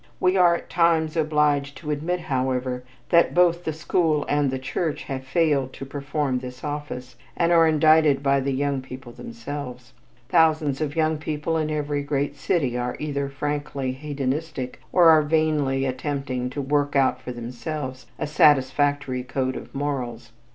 We are at times obliged to admit, however, that both the school and the church have failed to perform this office, and are indicted by the young people themselves. Thousands of young people in every great city are either frankly hedonistic, or are vainly attempting to work out for themselves a satisfactory code of morals.